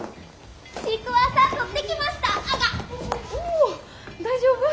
お大丈夫？